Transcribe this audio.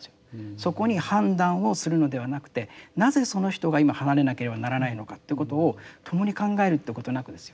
そこに判断をするのではなくてなぜその人が今離れなければならないのかってことを共に考えるってことなくですよ。